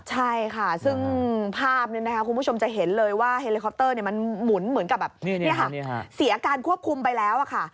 ใช่ค่ะซึ่งภาพนี้นะคะคุณผู้ชมจะเห็นเลยว่าเฮลิคอปเตอร์มันหมุนเหมือนกับแบบเสียการควบคุมไปแล้วค่ะ